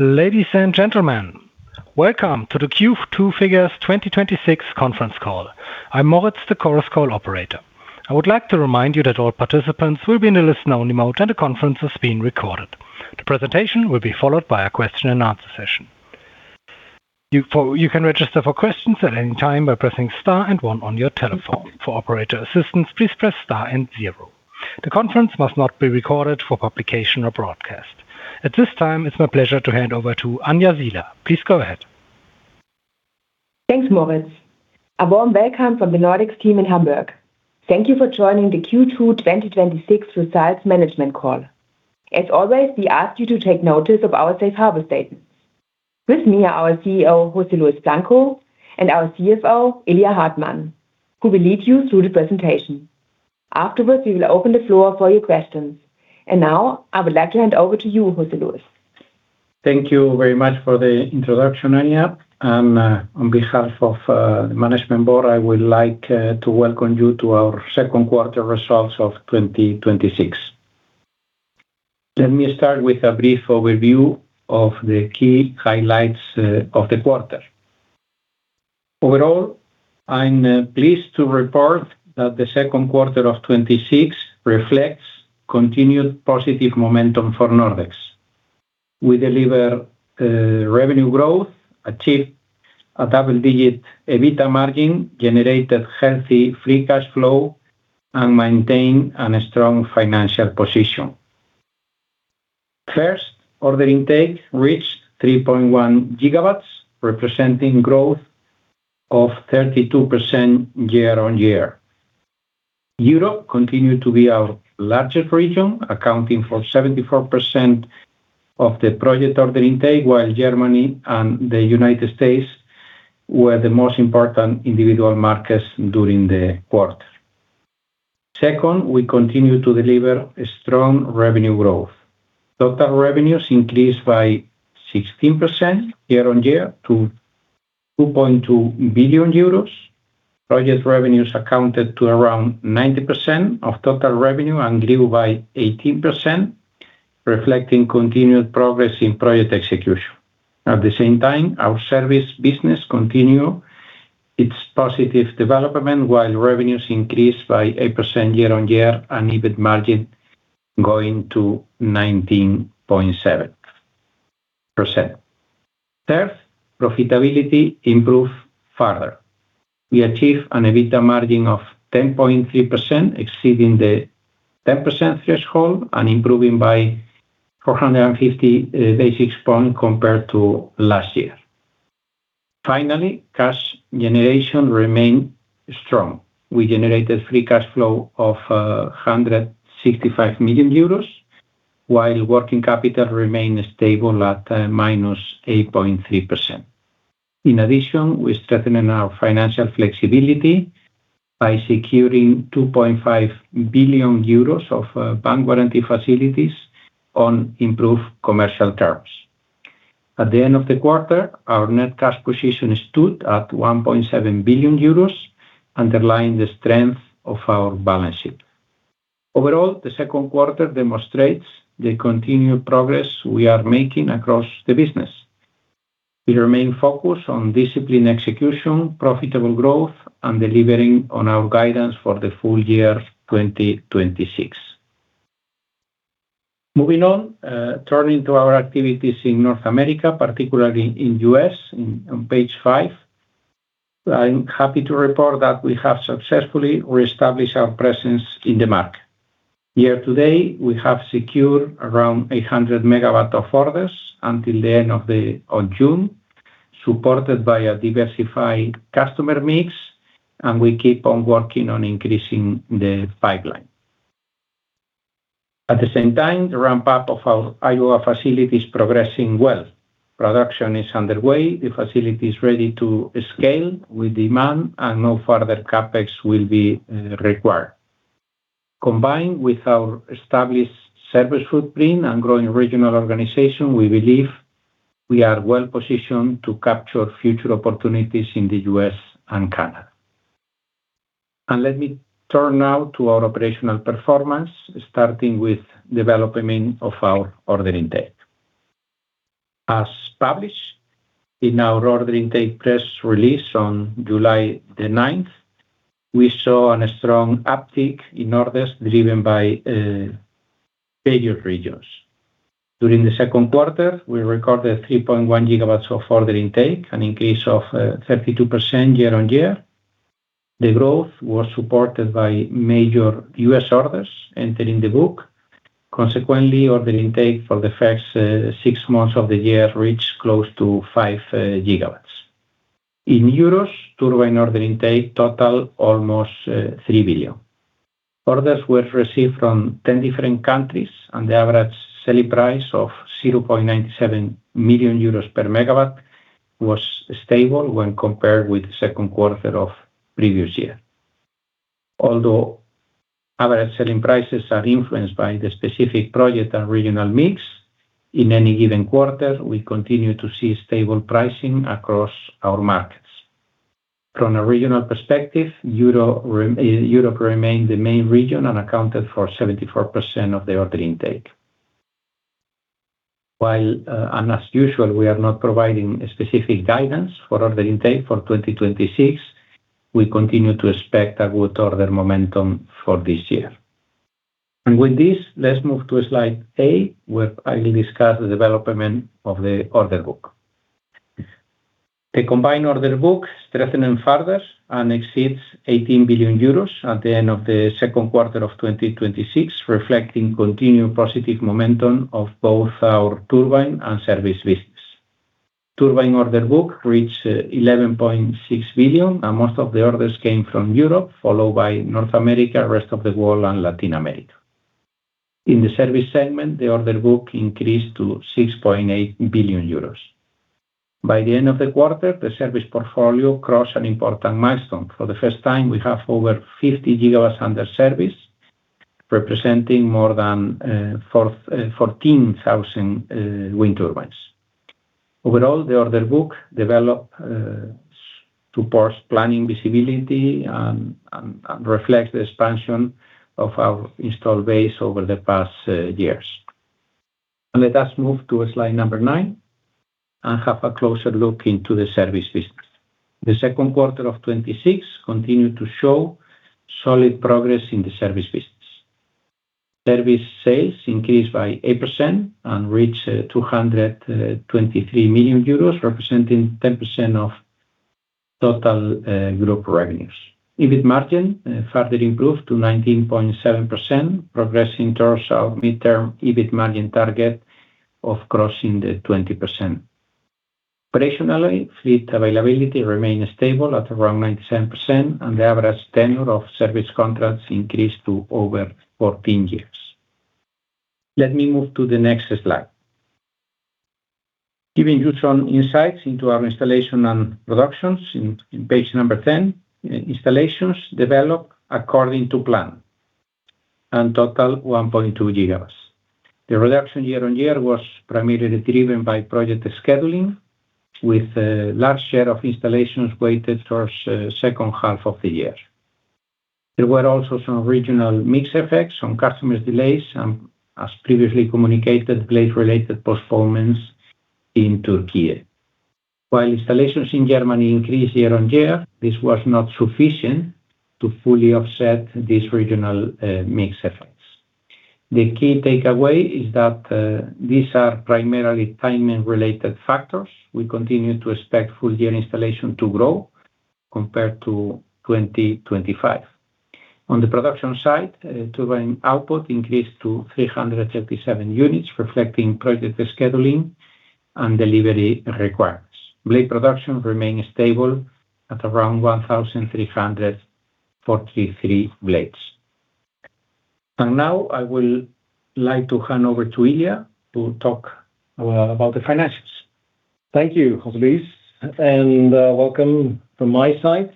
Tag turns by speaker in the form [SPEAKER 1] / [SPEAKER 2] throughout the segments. [SPEAKER 1] Ladies and gentlemen, welcome to the Q2 Figures 2026 conference call. I'm Moritz, the conference call operator. I would like to remind you that all participants will be in a listen-only mode, and the conference is being recorded. The presentation will be followed by a question and answer session. You can register for questions at any time by pressing star and one on your telephone. For operator assistance, please press star and zero. The conference must not be recorded for publication or broadcast. At this time, it's my pleasure to hand over to Anja Siehler. Please go ahead.
[SPEAKER 2] Thanks, Moritz. A warm welcome from the Nordex team in Hamburg. Thank you for joining the Q2 2026 Results Management Call. As always, we ask you to take notice of our Safe Harbor statement. With me are our CEO, José Luis Blanco, and our CFO, Ilya Hartmann, who will lead you through the presentation. Afterwards, we will open the floor for your questions. Now, I would like to hand over to you, José Luis.
[SPEAKER 3] Thank you very much for the introduction Anja, and on behalf of the management board, I would like to welcome you to our second quarter results of 2026. Let me start with a brief overview of the key highlights of the quarter. Overall, I'm pleased to report that the second quarter of 2026 reflects continued positive momentum for Nordex. We deliver revenue growth achieve a double-digit EBITDA margin, generated healthy free cash flow, and maintain a strong financial position. First, order intake reached 3.1 GW, representing growth of 32% year-on-year. Europe continued to be our largest region, accounting for 74% of the project order intake, while Germany and the U.S. were the most important individual markets during the quarter. Second, we continue to deliver a strong revenue growth. Total revenues increased by 16% year-on-year to 2.2 billion euros. Project revenues accounted to around 90% of total revenue and grew by 18%, reflecting continued progress in project execution. At the same time, our service business continue its positive development, while revenues increased by 8% year-on-year and EBIT margin going to 19.7%. Third, profitability improved further. We achieved an EBITDA margin of 10.3%, exceeding the 10% threshold and improving by 450 basis points compared to last year. Finally, cash generation remained strong. We generated free cash flow of 165 million euros, while working capital remained stable at -8.3%. In addition, we strengthened our financial flexibility by securing 2.5 billion euros of bank warranty facilities on improved commercial terms. At the end of the quarter, our net cash position stood at 1.7 billion euros, underlying the strength of our balance sheet. Overall, the second quarter demonstrates the continued progress we are making across the business. We remain focused on disciplined execution, profitable growth, and delivering on our guidance for the full year 2026. Moving on, turning to our activities in North America, particularly in the U.S. on page five. I am happy to report that we have successfully re-established our presence in the market. Here today, we have secured around 800 MW of orders until the end of June, supported by a diversified customer mix. We keep on working on increasing the pipeline. At the same time, the ramp-up of our Iowa facility is progressing well. Production is underway. The facility is ready to scale with demand and no further CapEx will be required. Combined with our established service footprint and growing regional organization, we believe we are well-positioned to capture future opportunities in the U.S. and Canada. Let me turn now to our operational performance, starting with development of our order intake. As published in our order intake press release on July 9th, we saw a strong uptick in orders driven by major regions. During the second quarter, we recorded 3.1 GW of order intake an increase of 32% year-over-year. The growth was supported by major U.S. orders entering the book. Consequently, order intake for the first six months of the year reached close to five GW. In EUR, turbine order intake totaled almost 3 billion. Orders were received from 10 different countries, and the average selling price of 0.97 million euros per MW was stable when compared with second quarter of previous year. Although average selling prices are influenced by the specific project and regional mix, in any given quarter, we continue to see stable pricing across our markets. From a regional perspective, Europe remained the main region and accounted for 74% of the order intake. While, and as usual, we are not providing specific guidance for order intake for 2026, we continue to expect a good order momentum for this year. With this, let's move to slide eight, where I will discuss the development of the order book. The combined order book strengthened further and exceeds 18 billion euros at the end of the second quarter of 2026, reflecting continued positive momentum of both our turbine and service business. Turbine order book reached 11.6 billion, and most of the orders came from Europe followed by North America, rest of the world, and Latin America. In the service segment, the order book increased to 6.8 billion euros. By the end of the quarter, the service portfolio crossed an important milestone. For the first time, we have over 50 GW under service, representing more than 14,000 wind turbines. Overall, the order book developed to boost planning visibility and reflect the expansion of our installed base over the past years. Let us move to slide number nine and have a closer look into the service business. The second quarter of 2026 continued to show solid progress in the service business. Service sales increased by 8% and reached 223 million euros, representing 10% of total group revenues. EBIT margin further improved to 19.7%, progress in terms of midterm EBIT margin target of crossing the 20%. Operationally, fleet availability remained stable at around 97%, and the average tenure of service contracts increased to over 14 years. Let me move to the next slide. Giving you some insights into our installation and reductions on page number 10. Installations developed according to plan and totaled 1.2 GW. The reduction year-over-year was primarily driven by project scheduling, with a large share of installations weighted towards H2 of the year. There were also some regional mix effects, some customers delays, and as previously communicated, blade-related performance in Türkiye. While installations in Germany increased year-over-year, this was not sufficient to fully offset these regional mix effects. The key takeaway is that these are primarily timing-related factors. We continue to expect full year installation to grow compared to 2025. On the production side, turbine output increased to 337 units, reflecting project scheduling and delivery requirements. Blade production remained stable at around 1,343 blades. And now I will like to hand over to Ilya to talk about the financials.
[SPEAKER 4] Thank you, José Luis, and welcome from my side.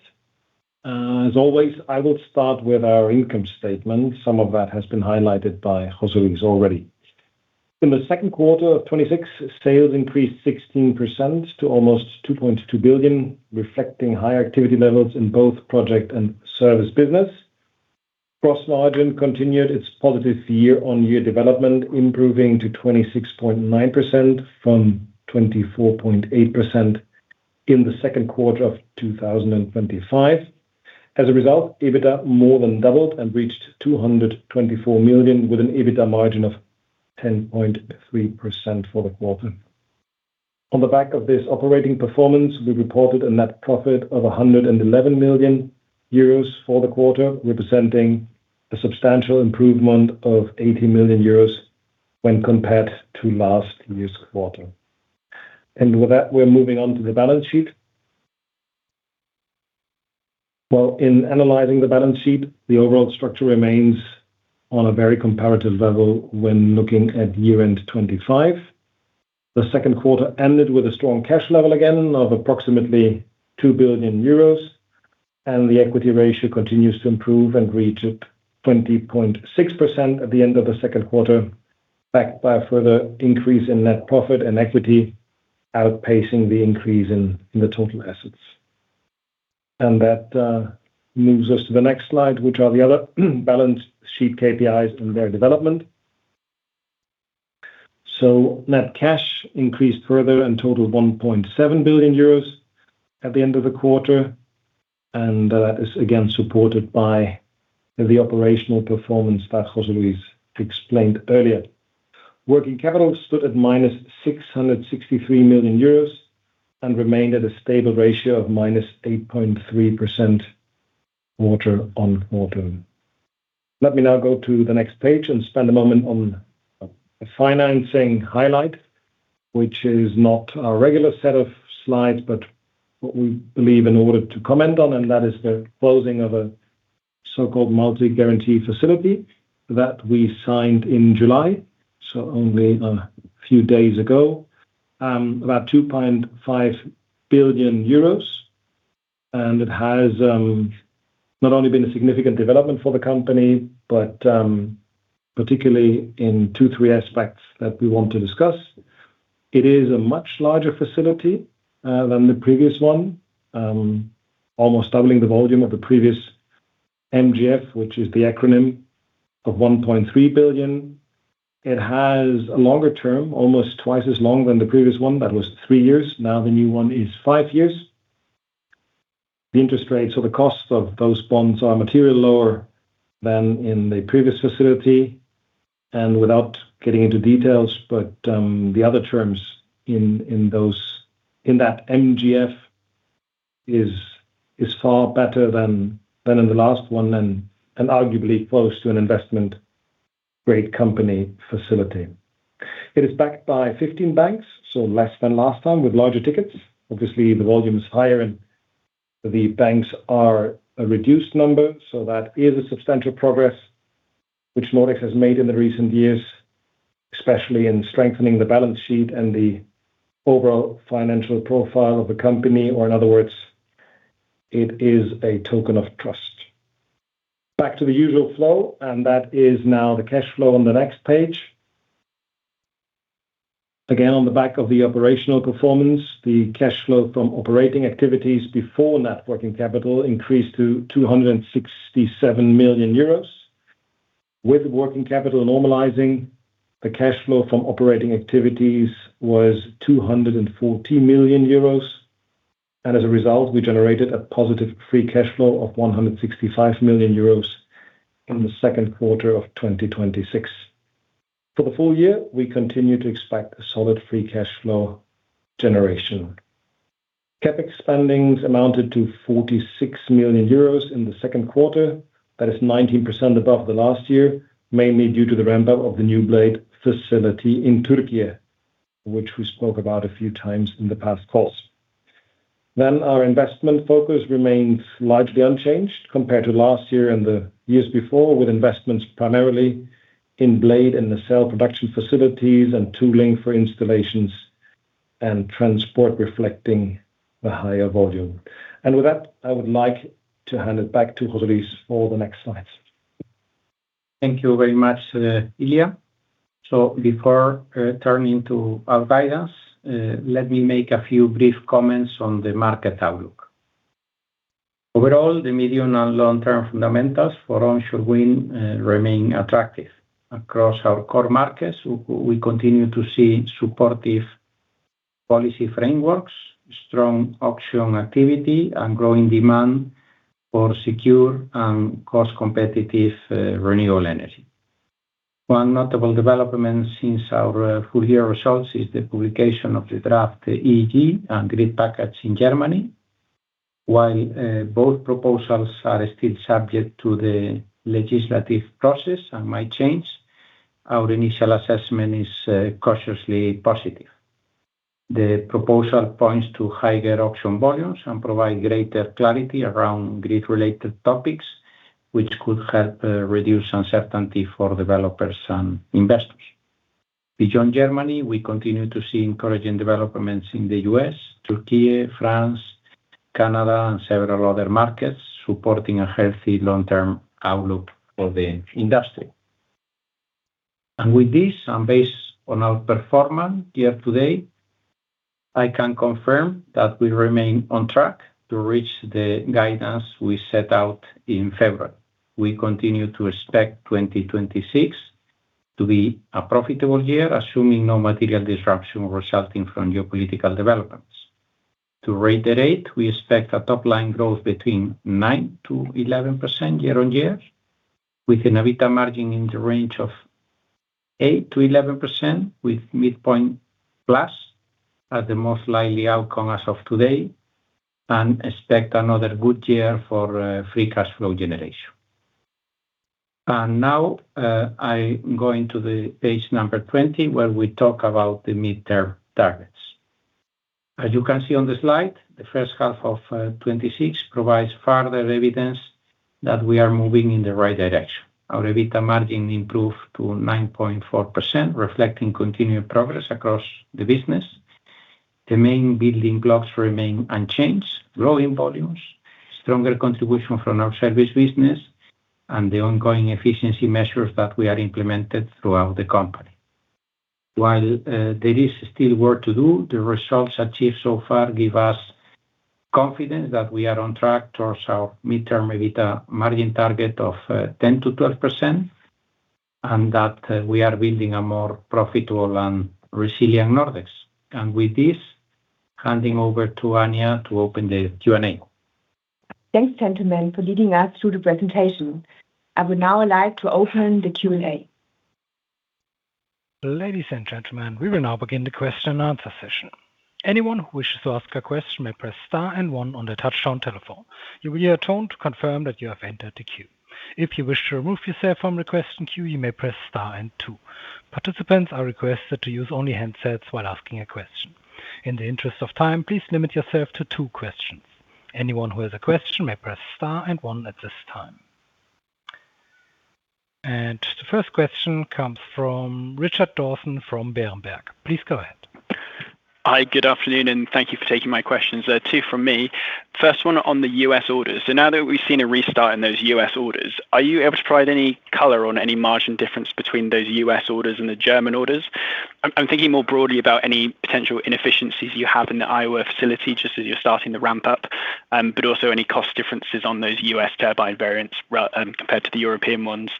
[SPEAKER 4] As always, I will start with our income statement. Some of that has been highlighted by José Luis already. In the second quarter of 2026, sales increased 16% to almost 2.2 billion, reflecting high activity levels in both project and service business. Gross margin continued its positive year-over-year development, improving to 26.9% from 24.8% in the second quarter of 2025. As a result, EBITDA more than doubled and reached 224 million, with an EBITDA margin of 10.3% for the quarter. On the back of this operating performance, we reported a net profit of 111 million euros for the quarter, representing a substantial improvement of 80 million euros when compared to last year's quarter. And with that, we're moving on to the balance sheet. Well, in analyzing the balance sheet, the overall structure remains on a very comparative level when looking at year-end 2025. The second quarter ended with a strong cash level again of approximately 2 billion euros, and the equity ratio continues to improve and reached 20.6% at the end of the second quarter, backed by a further increase in net profit and equity, outpacing the increase in the total assets. And that moves us to the next slide, which are the other balance sheet KPIs and their development. So net cash increased further and totaled 1.7 billion euros at the end of the quarter, and that is again supported by the operational performance that José Luis explained earlier. Working capital stood at minus 663 million euros and remained at a stable ratio of -8.3% quarter-on-quarter. Let me now go to the next page and spend a moment on a financing highlight, which is not a regular set of slides, but what we believe in order to comment on, and that is the closing of a so-called multi-currency guarantee facility that we signed in July. So, only a few days ago about 2.5 billion euros. And it has not only been a significant development for the company, but, um Particularly in two, three aspects that we want to discuss. It is a much larger facility than the previous one, almost doubling the volume of the previous MGF, which is the acronym of 1.3 billion. It has a longer term, almost twice as long than the previous one. That was three years. Now the new one is five years. The interest rates or the costs of those bonds are materially lower than in the previous facility, without getting into details, but the other terms in that MGF are far better than in the last one and arguably close to an investment-grade company facility. It is backed by 15 banks, less than last time with larger tickets. The volume is higher, the banks are a reduced number that is a substantial progress which Nordex has made in the recent years. Especially in strengthening the balance sheet and the overall financial profile of the company, or in other words. It is a token of trust. Back to the usual flow, that is now the cash flow on the next page. On the back of the operational performance, the cash flow from operating activities before net working capital increased to 267 million euros. With working capital normalizing, the cash flow from operating activities was 214 million euros, as a result, we generated a positive free cash flow of 165 million euros in the second quarter of 2026. For the full year, we continue to expect a solid free cash flow generation. CapEx spendings amounted to 46 million euros in the second quarter. It is 19% above the last year, mainly due to the ramp-up of the new blade facility in Türkiye, which we spoke about a few times in the past calls. Our investment focus remains largely unchanged compared to last year and the years before, with investments primarily in blade, in the cell production facilities, and tooling for installations and transport reflecting the higher volume. With that, I would like to hand it back to José Luis for the next slides.
[SPEAKER 3] Thank you very much, Ilya. Before turning to our guidance, let me make a few brief comments on the market outlook. Overall, the medium and long-term fundamentals for onshore wind remain attractive. Across our core markets, we continue to see supportive policy frameworks, strong auction activity, and growing demand for secure and cost-competitive renewable energy. One notable development since our full-year results is the publication of the draft Erneuerbare-Energien-Gesetz and grid package in Germany. While both proposals are still subject to the legislative process and might change, our initial assessment is cautiously positive. The proposal points to higher auction volumes and provide greater clarity around grid-related topics, which could help reduce uncertainty for developers and investors. Beyond Germany, we continue to see encouraging developments in the U.S., Türkiye, France, Canada, and several other markets supporting a healthy long-term outlook for the industry. With this, based on our performance year to date, I can confirm that we remain on track to reach the guidance we set out in February. We continue to expect 2026 to be a profitable year, assuming no material disruption resulting from geopolitical developments. To reiterate, we expect a top-line growth between 9%-11% year-on-year, with an EBITDA margin in the range of 8%-11%, with midpoint plus as the most likely outcome as of today, expect another good year for free cash flow generation. Now, I'm going to the page number 20, where we talk about the mid-term targets. As you can see on the slide, the H1 of 2026 provides further evidence that we are moving in the right direction. Our EBITDA margin improved to 9.4%, reflecting continued progress across the business. The main building blocks remain unchanged: growing volumes, stronger contribution from our service business, and the ongoing efficiency measures that we are implemented throughout the company. While there is still work to do, the results achieved so far give us confidence that we are on track towards our midterm EBITDA margin target of 10%-12%, that we are building a more profitable and resilient Nordex. With this, handing over to Anja to open the Q&A.
[SPEAKER 2] Thanks, gentlemen, for leading us through the presentation. I would now like to open the Q&A.
[SPEAKER 1] Ladies and gentlemen, we will now begin the question and answer session. Anyone who wishes to ask a question may press star and one on their touchtone telephone. You will hear a tone to confirm that you have entered the queue. If you wish to remove yourself from the question queue, you may press star and two. Participants are requested to use only handsets while asking a question. In the interest of time, please limit yourself to two questions. Anyone who has a question may press star and one at this time. The first question comes from Richard Dawson from Berenberg. Please go ahead.
[SPEAKER 5] Hi, good afternoon, thank you for taking my questions. There are two from me. First one on the U.S. orders. Now that we've seen a restart in those U.S. orders. Are you able to provide any color on any margin difference between those U.S. orders and the German orders? I'm thinking more broadly about any potential inefficiencies you have in the Iowa facility, just as you're starting to ramp up, but also any cost differences on those U.S. turbine variants compared to the European ones.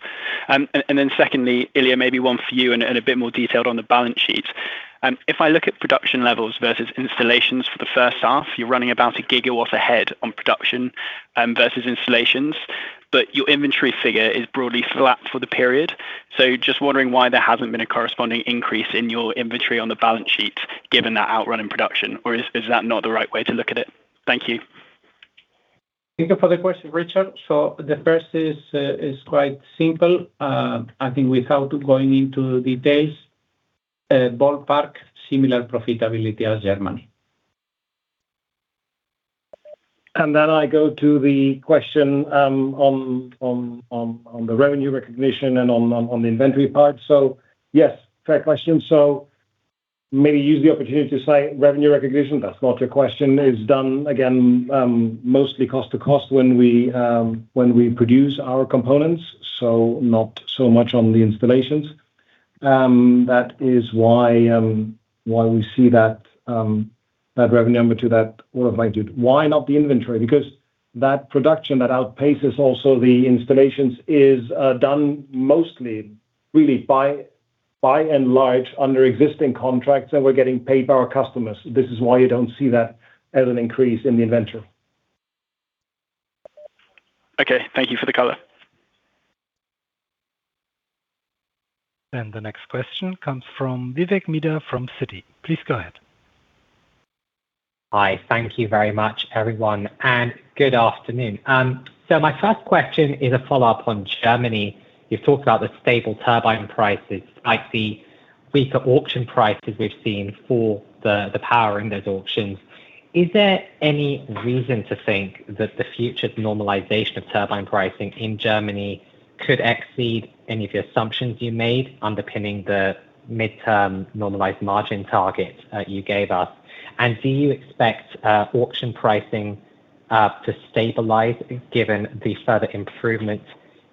[SPEAKER 5] Secondly, Ilya, maybe one for you and a bit more detailed on the balance sheet. If I look at production levels versus installations for the H1, you're running about a gigawatt ahead on production versus installations, but your inventory figure is broadly flat for the period. Just wondering why there hasn't been a corresponding increase in your inventory on the balance sheet given that outrun in production. Or is that not the right way to look at it? Thank you.
[SPEAKER 3] Thank you for the question, Richard. The first is quite simple. I think without going into details, ballpark similar profitability as Germany.
[SPEAKER 4] I go to the question on the revenue recognition and on the inventory part. Yes, fair question. Maybe use the opportunity to say revenue recognition, that's not your question is done again mostly cost-to-cost when we produce our components not so much on the installations. That is why we see that revenue number to that order magnitude. Why not the inventory? Because that production that outpaces also the installations is done mostly, really by and large, under existing contracts that we're getting paid by our customers. This is why you don't see that as an increase in the inventory.
[SPEAKER 5] Okay. Thank you for the color.
[SPEAKER 1] The next question comes from Vivek Midha from Citi. Please go ahead.
[SPEAKER 6] Hi. Thank you very much, everyone, and good afternoon. My first question is a follow-up on Germany. You've talked about the stable turbine prices despite the weaker auction prices we've seen for the power in those auctions. Is there any reason to think that the future normalization of turbine pricing in Germany could exceed any of the assumptions you made underpinning the midterm normalized margin target you gave us? Do you expect auction pricing to stabilize given the further improvements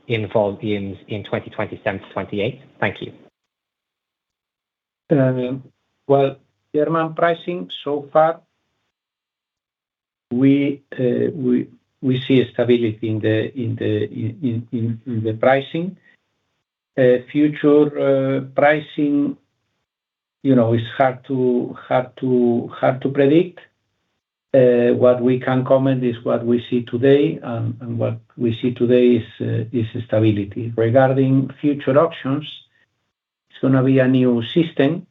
[SPEAKER 6] in volumes in 2027, 2028? Thank you.
[SPEAKER 3] Well, German pricing so far, we see a stability in the pricing. Future pricing, it's hard to predict. What we can comment is what we see today, and what we see today is stability. Regarding future auctions, it's going to be a new system,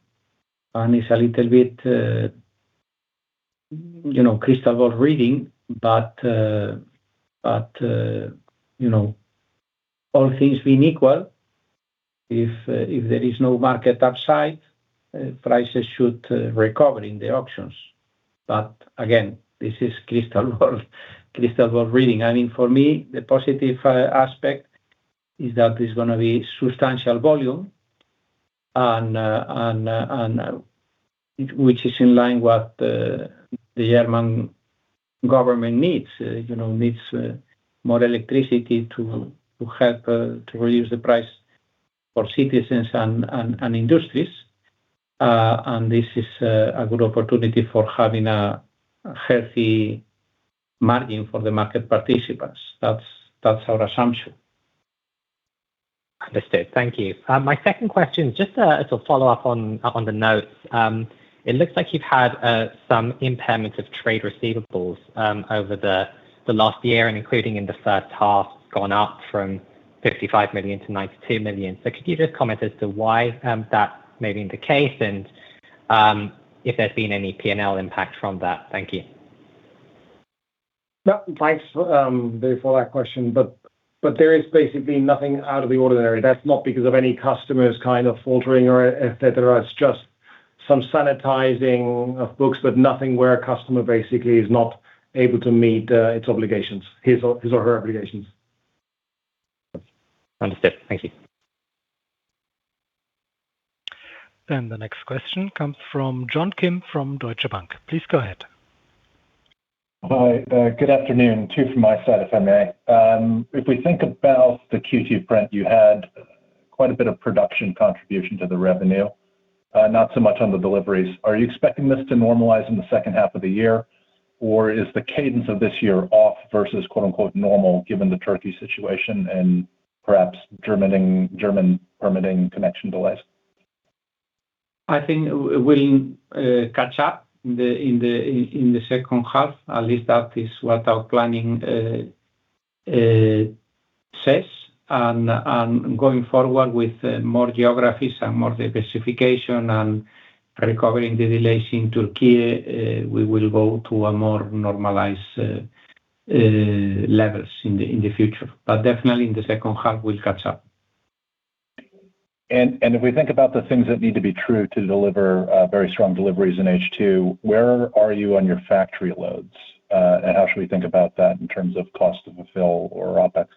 [SPEAKER 3] and it's a little bit crystal ball reading. All things being equal, if there is no market upside prices should recover in the auctions. Again, this is crystal ball reading. For me, the positive aspect is that it's going to be substantial volume, which is in line what the German government needs. Needs more electricity to help to reduce the price for citizens and industries. This is a good opportunity for having a healthy margin for the market participants. That's our assumption.
[SPEAKER 6] Understood. Thank you. My second question is just a little follow-up on the notes. It looks like you've had some impairment of trade receivables over the last year and including in the H1 gone up from 55 million-92 million. Could you just comment as to why that may be the case and if there's been any P&L impact from that? Thank you.
[SPEAKER 4] Thanks, Vivek, for that question. There is basically nothing out of the ordinary. That's not because of any customers faltering or et cetera. It's just some sanitizing of books but nothing where a customer basically is not able to meet its obligations, his or her obligations.
[SPEAKER 6] Understood. Thank you.
[SPEAKER 1] The next question comes from John Kim from Deutsche Bank. Please go ahead.
[SPEAKER 7] Hi. Good afternoon. Two from my side, if I may. If we think about the Q2 print, you had quite a bit of production contribution to the revenue not so much on the deliveries. Are you expecting this to normalize in the H2 of the year? Or is the cadence of this year off versus, quote-unquote, "normal" given the Türkey situation and perhaps German permitting connection delays?
[SPEAKER 3] I think we'll catch up in the H2. At least that is what our planning says. Going forward with more geographies and more diversification and recovering the delays in Türkey, we will go to more normalized levels in the future. Definitely in the H2, we'll catch up.
[SPEAKER 7] If we think about the things that need to be true to deliver very strong deliveries in H2, where are you on your factory loads? How should we think about that in terms of cost to fulfill or OPEX?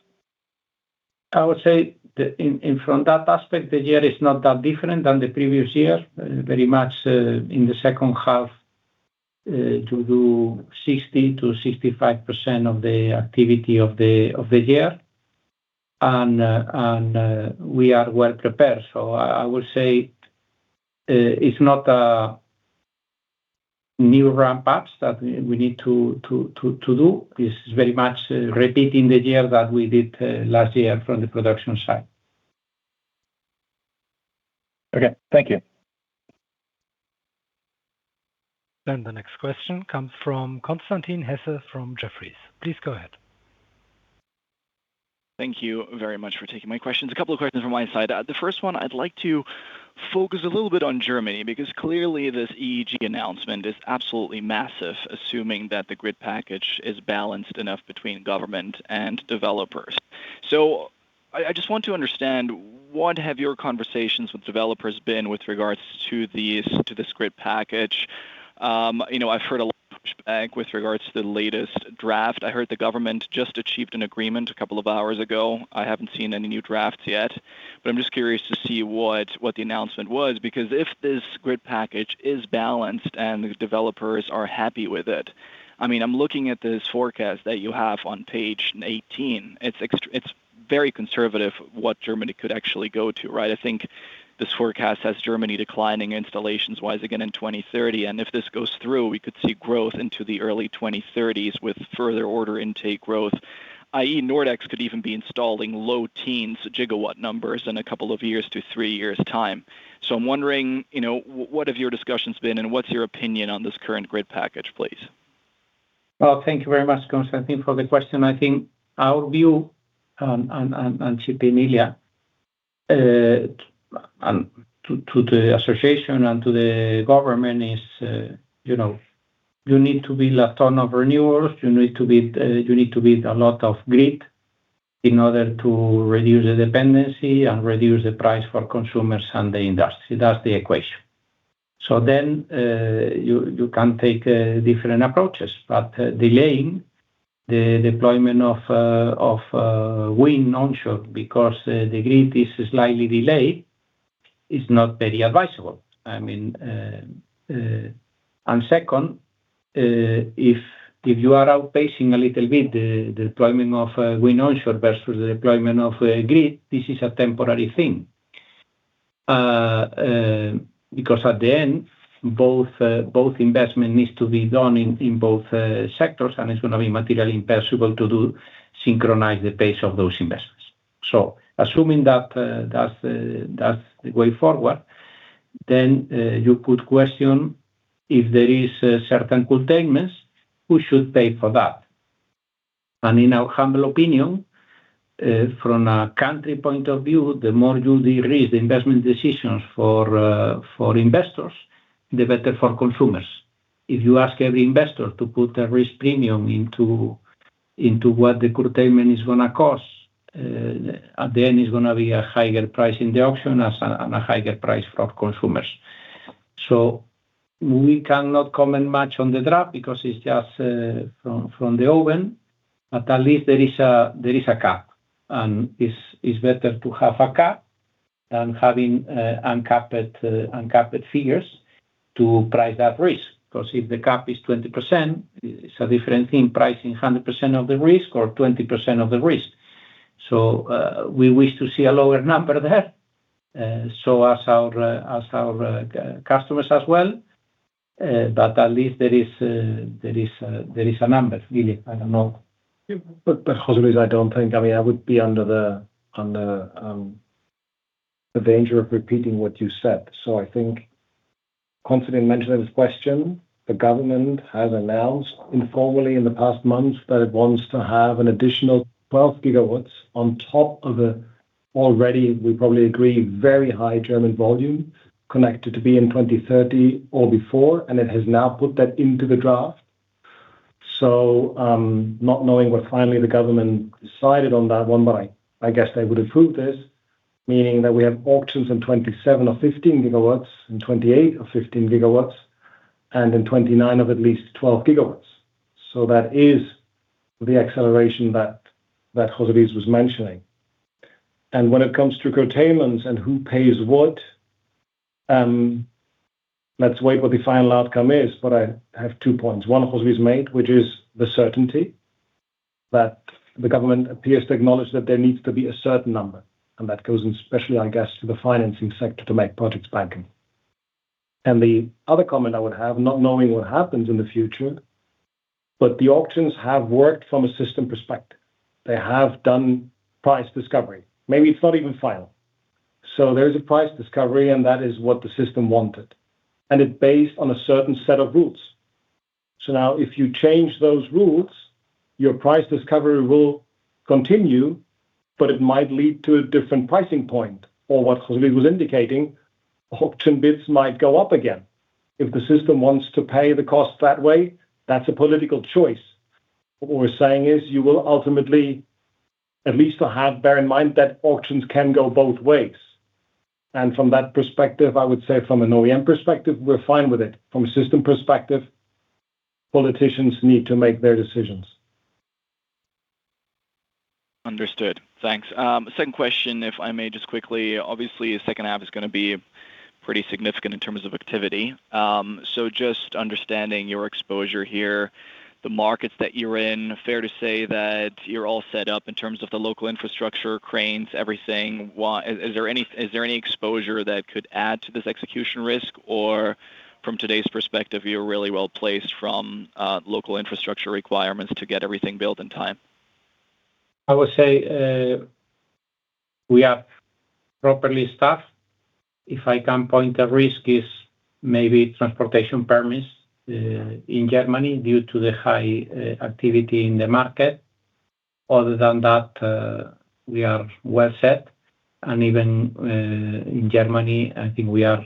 [SPEAKER 3] I would say that from that aspect, the year is not that different than the previous year. Very much in the H2 to do 60%-65% of the activity of the year. We are well-prepared. I would say it's not a new ramp-ups that we need to do. This is very much repeating the year that we did last year from the production side.
[SPEAKER 7] Okay. Thank you.
[SPEAKER 1] The next question comes from Constantin Hesse from Jefferies. Please go ahead.
[SPEAKER 8] Thank you very much for taking my questions. A couple of questions from my side. The first one, I'd like to focus a little bit on Germany, because clearly this Erneuerbare-Energien-Gesetz announcement is absolutely massive assuming that the grid package is balanced enough between government and developers. I just want to understand, what have your conversations with developers been with regards to this grid package? I've heard with regards to the latest draft. I heard the government just achieved an agreement a couple of hours ago. I haven't seen any new drafts yet, but I'm just curious to see what the announcement was because if this grid package is balanced and the developers are happy with it, I'm looking at this forecast that you have on page 18. It's very conservative what Germany could actually go to, right? I think this forecast has Germany declining installations-wise again in 2030, and if this goes through, we could see growth into the early 2030s with further order intake growth, i.e. Nordex could even be installing low teens gigawatt numbers in a couple of years to three years' time. I'm wondering, what have your discussions been, and what's your opinion on this current grid package, please?
[SPEAKER 3] Well, thank you very much, Constantin for the question. I think our view on and to the association and to the government is you need to build a ton of renewables. You need to build a lot of grid in order to reduce the dependency and reduce the price for consumers and the industry. That's the equation. You can take different approaches, but delaying the deployment of wind onshore because the grid is slightly delayed is not very advisable. Second, if you are outpacing a little bit the deployment of wind onshore versus the deployment of grid, this is a temporary thing. At the end, both investment needs to be done in both sectors, and it's going to be materially impossible to synchronize the pace of those investments. Assuming that's the way forward, then you could question if there is certain curtailments, who should pay for that? In our humble opinion, from a country point of view the more you de-risk investment decisions for investors, the better for consumers. If you ask every investor to put a risk premium into what the curtailment is going to cost, at the end, it's going to be a higher price in the auction and a higher price for consumers. We cannot comment much on the draft because it's just from the oven. At least there is a cap, and it's better to have a cap than having uncapped figures to price that risk. If the cap is 20%, it's a different thing pricing 100% of the risk or 20% of the risk. We wish to see a lower number there. As our customers as well. At least there is a number. llya, I don't know.
[SPEAKER 4] [José Luis]I don't think I would be under the danger of repeating what you said. I think Constantin mentioned in his question, the government has announced informally in the past month that it wants to have an additional 12 GW on top of the already, we probably agree, very high German volume connected to be in 2030 or before, and it has now put that into the draft. Not knowing what finally the government decided on that one, but I guess they would approve this, meaning that we have auctions in 2027 of 15 GW, in 2028 of 15 GW, and in 2029 of at least 12 GW. That is the acceleration that [José Luis ]was mentioning. When it comes to curtailments and who pays what, let's wait what the final outcome is but I have two points. One José Luis made, which is the certainty that the government appears to acknowledge that there needs to be a certain number and that goes especially, I guess to the financing sector to make projects banking. The other comment I would have not knowing what happens in the future but the auctions have worked from a system perspective. They have done price discovery. Maybe it's not even final. There is a price discovery, and that is what the system wanted, and it based on a certain set of rules. Now if you change those rules, your price discovery will continue, but it might lead to a different pricing point or what José Luis was indicating auction bids might go up again. If the system wants to pay the cost that way, that's a political choice. What we're saying is you will ultimately at least have bear in mind that auctions can go both ways. From that perspective, I would say from an OEM perspective, we're fine with it. From a system perspective politicians need to make their decisions.
[SPEAKER 8] Understood. Thanks. Second question, if I may, just quickly. Obviously, the H2 is going to be pretty significant in terms of activity. Just understanding your exposure here, the markets that you're in fair to say that you're all set up in terms of the local infrastructure, cranes, everything. Is there any exposure that could add to this execution risk? Or from today's perspective, you're really well-placed from local infrastructure requirements to get everything built in time?
[SPEAKER 3] I would say we are properly staffed. If I can point a risk is maybe transportation permits in Germany due to the high activity in the market. Other than that, we are well set. Even in Germany, I think we are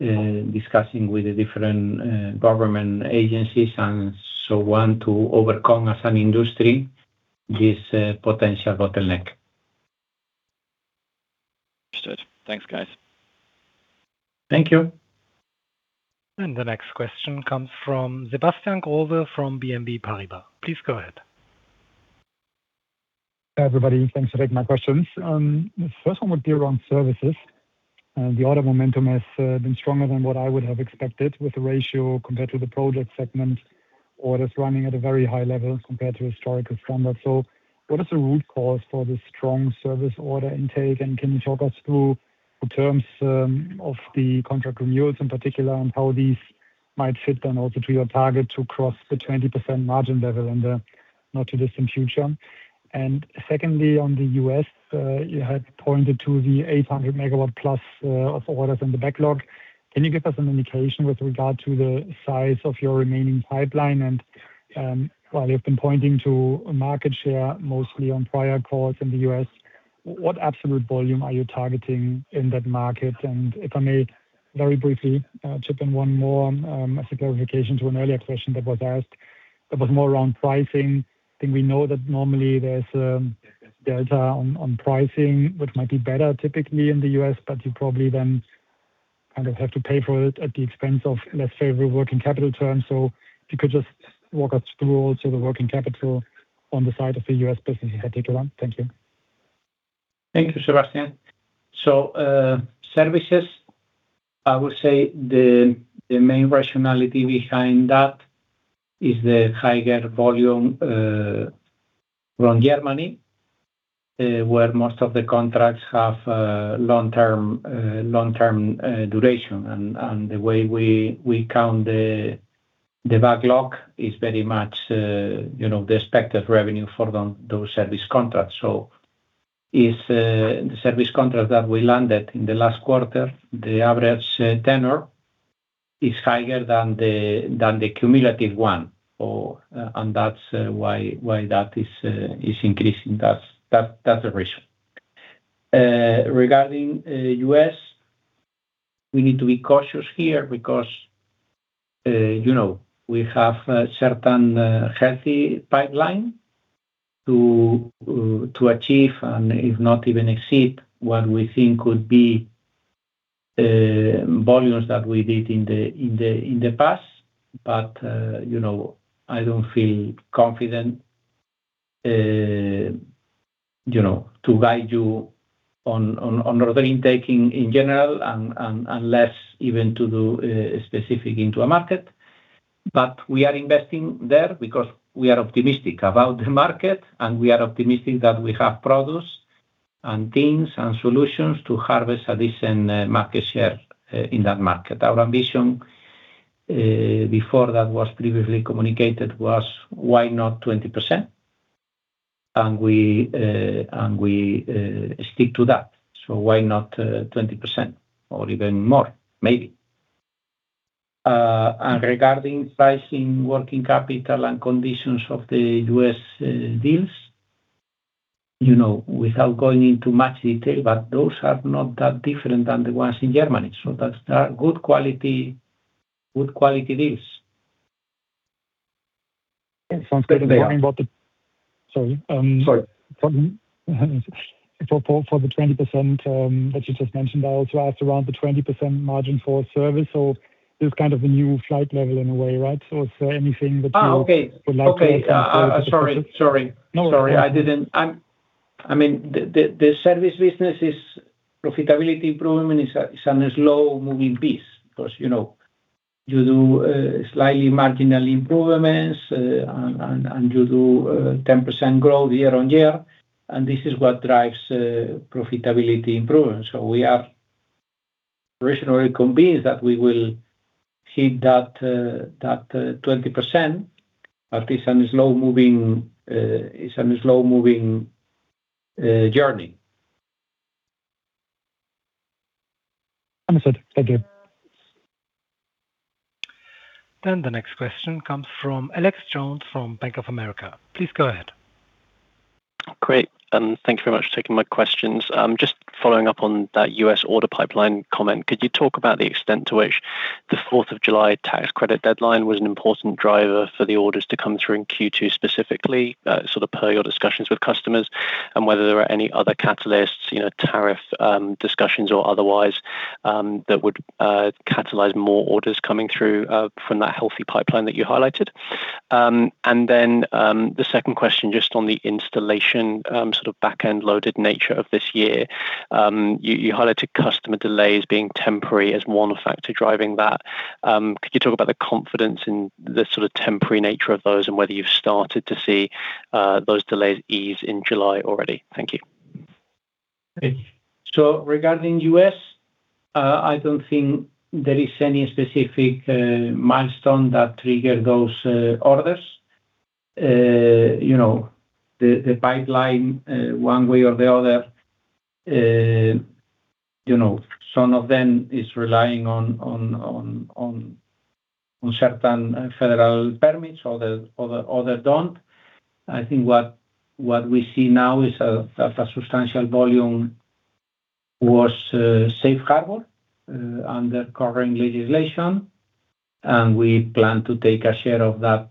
[SPEAKER 3] discussing with the different government agencies and so on to overcome as an industry this potential bottleneck.
[SPEAKER 8] Understood. Thanks, guys.
[SPEAKER 3] Thank you.
[SPEAKER 1] The next question comes from Sebastian Growe from BNP Paribas. Please go ahead.
[SPEAKER 9] Hey, everybody. Thanks for taking my questions. The first one would be around services. The order momentum has been stronger than what I would have expected with the ratio compared to the project segment orders running at a very high level compared to historical standards. What is the root cause for this strong service order intake? Can you talk us through the terms of the contract renewals in particular and how these might fit then also to your target to cross the 20% margin level in the not too distant future? Secondly, on the U.S., you had pointed to the 800 MW+ of orders in the backlog. Can you give us an indication with regard to the size of your remaining pipeline? While you've been pointing to market share mostly on prior calls in the U.S., what absolute volume are you targeting in that market? If I may, very briefly, chip in one more as a clarification to an earlier question that was asked that was more around pricing. I think we know that normally there is a delta on pricing, which might be better typically in the U.S., but you probably then kind of have to pay for it at the expense of less favorable working capital terms. If you could just walk us through also the working capital on the side of the U.S. business, that would take a while. Thank you.
[SPEAKER 3] Thank you, Sebastian. Services, I would say the main rationality behind that is the higher volume from Germany, where most of the contracts have long-term duration. The way we count the backlog is very much the expected revenue for those service contracts. If the service contract that we landed in the last quarter, the average tenor is higher than the cumulative one. That is why that is increasing. That is the reason. Regarding U.S., we need to be cautious here because we have a certain healthy pipeline to achieve, and if not even exceed, what we think could be volumes that we did in the past. I do not feel confident to guide you on order intaking in general and less even to do specific into a market. We are investing there because we are optimistic about the market, and we are optimistic that we have products and things and solutions to harvest a decent market share in that market. Our ambition before that was previously communicated was why not 20%? We stick to that. Why not 20% or even more maybe. Regarding pricing, working capital, and conditions of the U.S. deals, without going into much detail, but those are not that different than the ones in Germany. That is good quality deals.
[SPEAKER 9] Yeah, sounds great.
[SPEAKER 3] They are.
[SPEAKER 9] Sorry.
[SPEAKER 3] Sorry.
[SPEAKER 9] For the 20% that you just mentioned, I also asked around the 20% margin for service. There's kind of a new flight level in a way, right? Is there anything.
[SPEAKER 3] Oh, okay.
[SPEAKER 9] Is there anything you would like to include?
[SPEAKER 3] Sorry.
[SPEAKER 9] No worries.
[SPEAKER 3] The service business is profitability improvement is a slow-moving piece because you do slightly marginal improvements, and you do 10% growth year-over-year, and this is what drives profitability improvement. We are reasonably convinced that we will hit that 20%, but it's a slow-moving journey.
[SPEAKER 9] Understood. Thank you.
[SPEAKER 1] The next question comes from Alex Jones from Bank of America. Please go ahead.
[SPEAKER 10] Great, thank you very much for taking my questions. Just following up on that U.S. order pipeline comment, could you talk about the extent to which the July 4, 2026 tax credit deadline was an important driver for the orders to come through in Q2 specifically, so per your discussions with customers and whether there are any other catalysts, tariff discussions or otherwise that would catalyze more orders coming through from that healthy pipeline that you highlighted. The second question, just on the installation back-end loaded nature of this year. You highlighted customer delays being temporary as one factor driving that. Could you talk about the confidence in the temporary nature of those, and whether you've started to see those delays ease in July already? Thank you.
[SPEAKER 3] Regarding U.S., I don't think there is any specific milestone that trigger those orders. The pipeline, one way or the other, some of them is relying on certain federal permits others don't. I think what we see now is a substantial volume was safe harbor under covering legislation, and we plan to take a share of that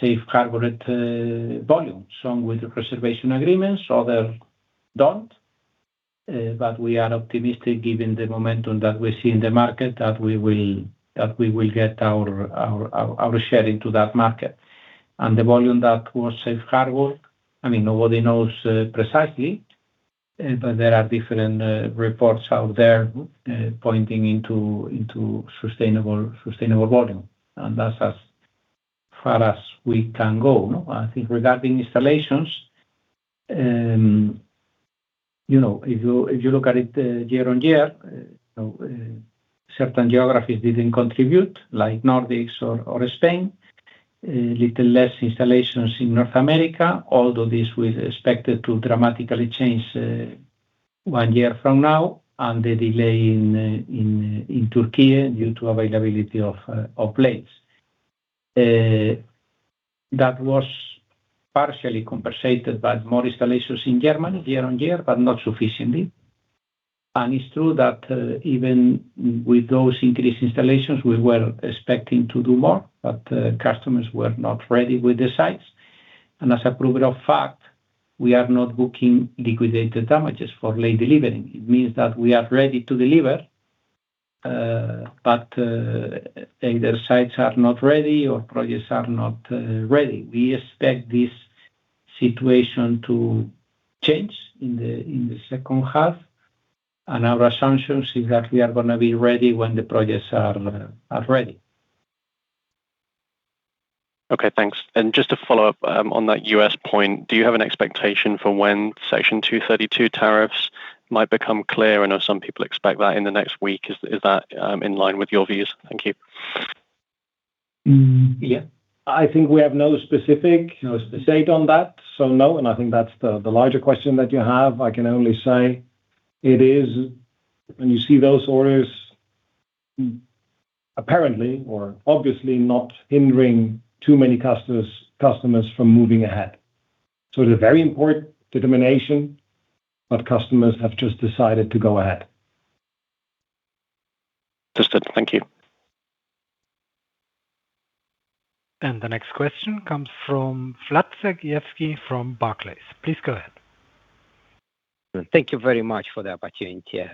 [SPEAKER 3] safe harbor volume. Some with the preservation agreements, others don't. We are optimistic given the momentum that we see in the market, that we will get our share into that market. The volume that was safe harbor, nobody knows precisely, but there are different reports out there pointing into sustainable volume. That's as far as we can go. I think regarding installations, if you look at it year-on-year, certain geographies didn't contribute, like Nordex or Spain. Little less installations in North America, although this we expected to dramatically change one year from now. The delay in Türkey due to availability of plates. That was partially compensated by more installations in Germany year-on-year, but not sufficiently. It's true that even with those increased installations, we were expecting to do more, but customers were not ready with the sites. As a proof of fact, we are not booking liquidated damages for late delivery. It means that we are ready to deliver, but either sites are not ready or projects are not ready. We expect this situation to change in the H2, and our assumptions is that we are going to be ready when the projects are ready.
[SPEAKER 10] Okay, thanks. Just to follow up on that U.S. point, do you have an expectation for when Section 232 tariffs might become clear? I know some people expect that in the next week. Is that in line with your views? Thank you.
[SPEAKER 4] I think we have no specific date on that. So no, I think that's the larger question that you have. I can only say it is when you see those orders, apparently or obviously not hindering too many customers from moving ahead. It's a very important determination, but customers have just decided to go ahead.
[SPEAKER 10] Understood. Thank you.
[SPEAKER 1] The next question comes from Vlad Sergievskiy from Barclays. Please go ahead.
[SPEAKER 11] Thank you very much for the opportunity.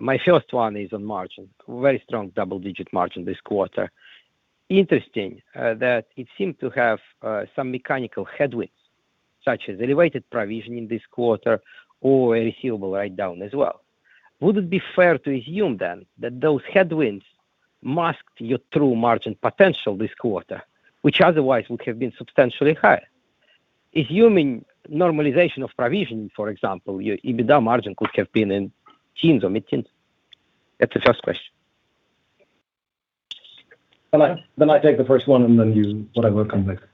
[SPEAKER 11] My first one is on margin. Very strong double-digit margin this quarter. Interesting that it seemed to have some mechanical headwinds, such as elevated provisioning this quarter or a receivable write-down as well. Would it be fair to assume that those headwinds masked your true margin potential this quarter, which otherwise would have been substantially higher? Assuming normalization of provisioning, for example, your EBITDA margin could have been in teens or mid-teens? That's the first question.
[SPEAKER 4] I take the first one, and then you whatever comes next.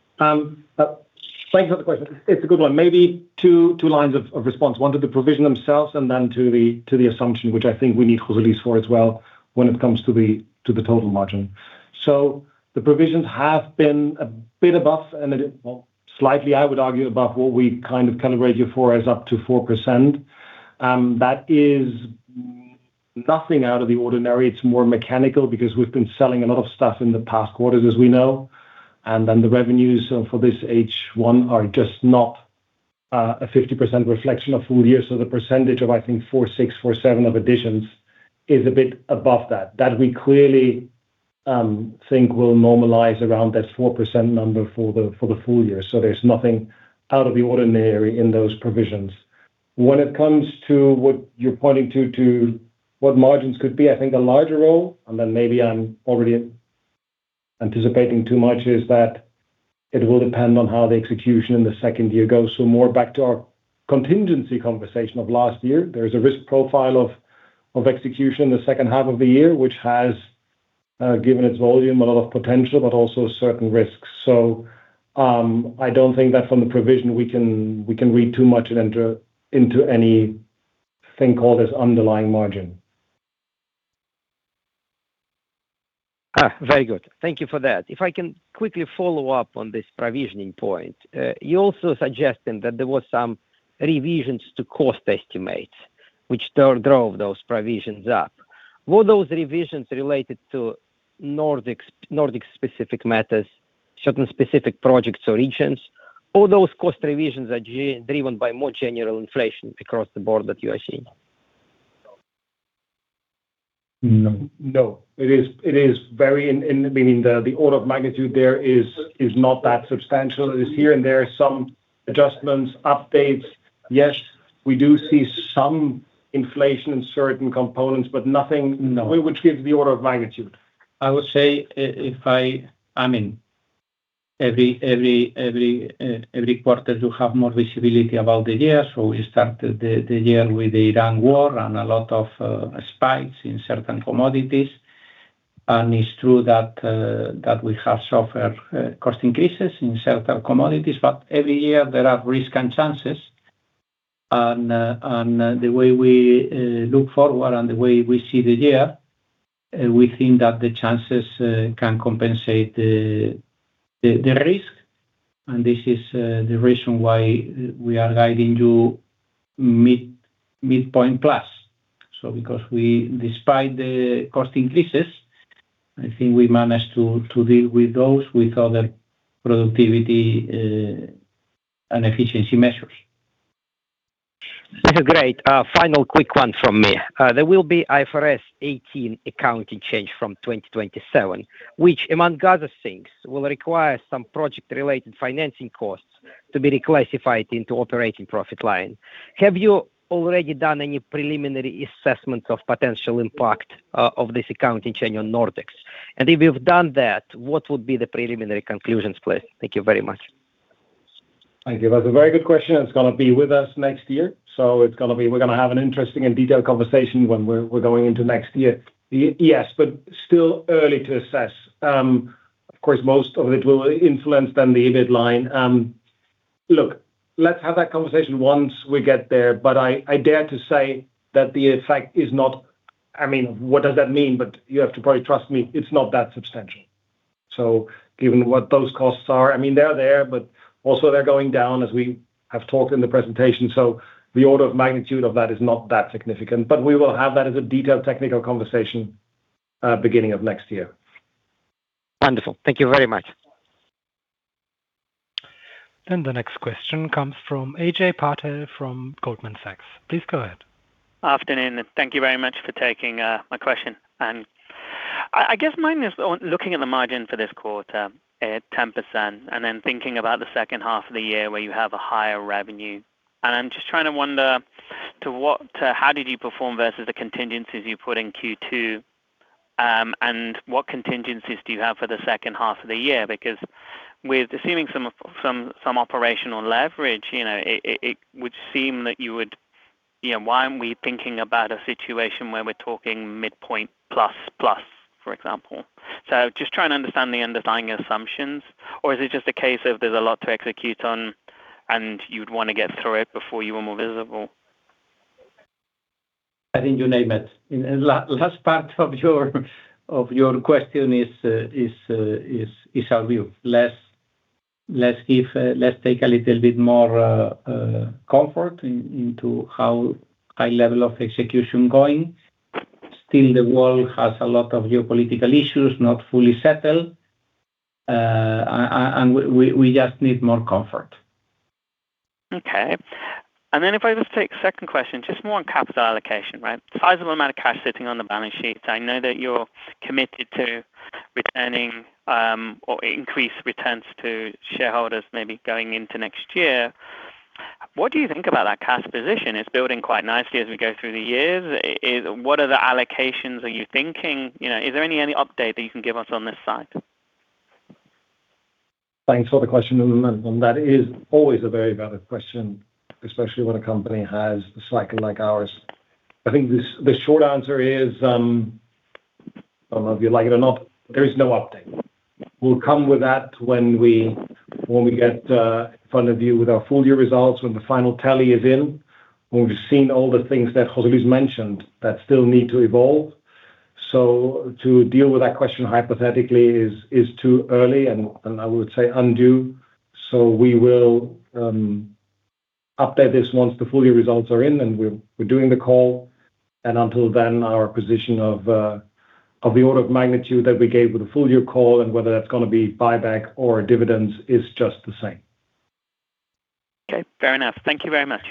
[SPEAKER 4] Thanks for the question. It's a good one. Maybe two lines of response. One to the provision themselves and then to the assumption, which I think we need José Luis for as well when it comes to the total margin. The provisions have been a bit above, and well. Slightly, I would argue above what we kind of grade you for as up to 4%. That is nothing out of the ordinary. It's more mechanical because we've been selling a lot of stuff in the past quarters, as we know. The revenues for this H1 are just not a 50% reflection of full year. The percentage of, I think 46, 47 of additions is a bit above that. That we clearly think will normalize around that 4% number for the full year. There's nothing out of the ordinary in those provisions. When it comes to what you're pointing to what margins could be, I think a larger role, and then maybe I'm already anticipating too much is that it will depend on how the execution in the second year goes. More back to our contingency conversation of last year. There's a risk profile of execution the H2 of the year, which has given its volume a lot of potential, but also certain risks. I don't think that from the provision we can read too much into anything called as underlying margin.
[SPEAKER 11] Very good. Thank you for that. If I can quickly follow up on this provisioning point. You're also suggesting that there was some revisions to cost estimates which drove those provisions up. Were those revisions related to Nordex specific matters, certain specific projects or regions? All those cost revisions are driven by more general inflation across the board that you are seeing?
[SPEAKER 4] No. The order of magnitude there is not that substantial. It is here and there. Some adjustments updates. Yes, we do see some inflation in certain components but nothing we would give the order of magnitude.
[SPEAKER 3] I would say every quarter you have more visibility about the year. We started the year with the Ukraine War and a lot of spikes in certain commodities. It's true that we have suffered cost increases in certain commodities, every year there are risk and chances. The way we look forward and the way we see the year. We think that the chances can compensate the risk, and this is the reason why we are guiding to midpoint plus. Because despite the cost increases, I think we managed to deal with those with other productivity and efficiency measures.
[SPEAKER 11] That's great. Final quick one from me. There will be IFRS 18 accounting change from 2027, which, among other things, will require some project-related financing costs to be reclassified into operating profit line. Have you already done any preliminary assessment of potential impact of this accounting change on Nordex? If you've done that, what would be the preliminary conclusions, please? Thank you very much.
[SPEAKER 4] Thank you. That's a very good question, it's going to be with us next year. We're going to have an interesting and detailed conversation when we're going into next year. Yes, still early to assess. Of course, most of it will influence then the EBIT line. Look, let's have that conversation once we get there, I dare to say that the effect is not. You have to probably trust me, it's not that substantial. Given what those costs are, they're there but also they're going down as we have talked in the presentation. The order of magnitude of that is not that significant. We will have that as a detailed technical conversation beginning of next year.
[SPEAKER 11] Wonderful. Thank you very much.
[SPEAKER 1] The next question comes from Ajay Patel from Goldman Sachs. Please go ahead.
[SPEAKER 12] Afternoon. Thank you very much for taking my question. I guess mine is on looking at the margin for this quarter at 10%, thinking about the H2 of the year where you have a higher revenue. I'm just trying to wonder how did you perform versus the contingencies you put in Q2, and what contingencies do you have for the H2 of the year? Because with assuming some operational leverage, why aren't we thinking about a situation where we're talking midpoint plus plus, for example? Just trying to understand the underlying assumptions, or is it just a case of there's a lot to execute on and you'd want to get through it before you were more visible?
[SPEAKER 3] I think you name it. Last part of your question is our view. Let's take a little bit more comfort into how high level of execution going. Still the world has a lot of geopolitical issues not fully settled. We just need more comfort.
[SPEAKER 12] Okay. If I just take second question, just more on capital allocation, right? Sizable amount of cash sitting on the balance sheets. I know that you're committed to returning or increased returns to shareholders maybe going into next year. What do you think about that cash position? It's building quite nicely as we go through the years. What are the allocations are you thinking? Is there any update that you can give us on this side?
[SPEAKER 4] Thanks for the question. That is always a very valid question, especially when a company has a cycle like ours. I think the short answer is, I don't know if you like it or not. There is no update. We'll come with that when we get in front of you with our full year results, when the final tally is in, when we've seen all the things that José Luis mentioned that still need to evolve. To deal with that question hypothetically is too early, and I would say undue. We will update this once the full year results are in and we're doing the call, and until then, our position of the order of magnitude that we gave with the full year call and whether that's going to be buyback or dividends is just the same.
[SPEAKER 12] Okay. Fair enough. Thank you very much.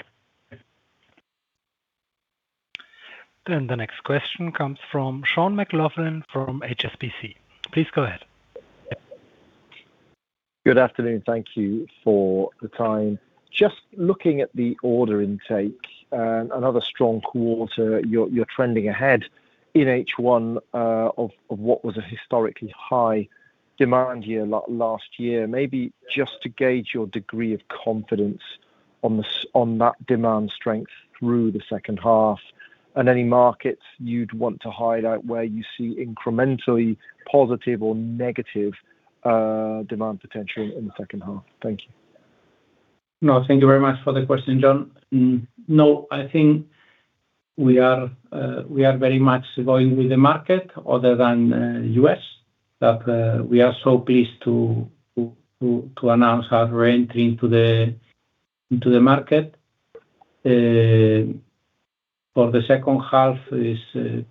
[SPEAKER 1] The next question comes from Sean McLoughlin from HSBC. Please go ahead.
[SPEAKER 13] Good afternoon. Thank you for the time. Just looking at the order intake, another strong quarter. You're trending ahead in H1 of what was a historically high demand year last year. Maybe just to gauge your degree of confidence on that demand strength through the H2, and any markets you'd want to highlight where you see incrementally positive or negative demand potential in the H2. Thank you.
[SPEAKER 3] Thank you very much for the question, Sean. I think we are very much going with the market other than U.S., that we are so pleased to announce that we're entering into the market. For the H2 is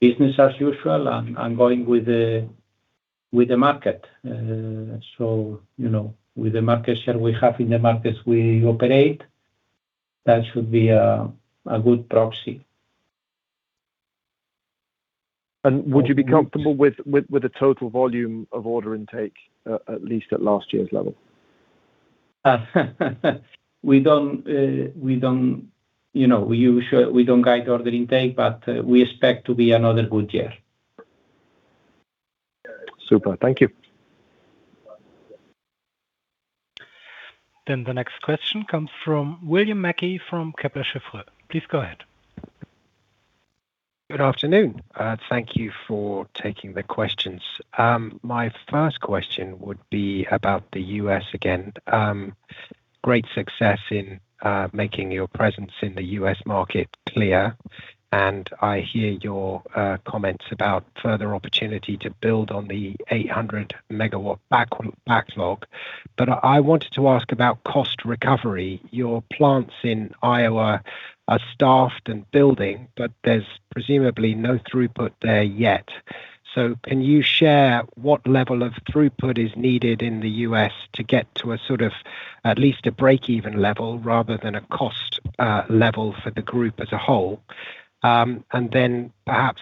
[SPEAKER 3] business as usual and going with the market. With the market share we have in the markets we operate, that should be a good proxy.
[SPEAKER 13] Would you be comfortable with the total volume of order intake, at least at last year's level?
[SPEAKER 3] We don't guide order intake, but we expect to be another good year.
[SPEAKER 13] Super. Thank you.
[SPEAKER 1] The next question comes from William Mackie from Kepler Cheuvreux. Please go ahead.
[SPEAKER 14] Good afternoon. Thank you for taking the questions. My first question would be about the U.S. again. Great success in making your presence in the U.S. market clear, and I hear your comments about further opportunity to build on the 800 MW backlog. I wanted to ask about cost recovery. Your plants in Iowa are staffed and building, but there's presumably no throughput there yet. Can you share what level of throughput is needed in the U.S. to get to at least a break-even level rather than a cost level for the group as a whole? Perhaps